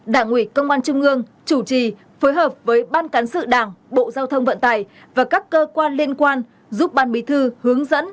đảng ủy công an trung ương chủ trì phối hợp với ban cán sự đảng bộ giao thông vận tải và các cơ quan liên quan giúp ban bí thư hướng dẫn